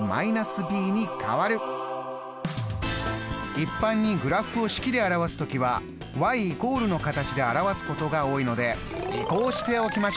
一般にグラフを式で表す時は「＝」の形で表すことが多いので移項しておきましょう。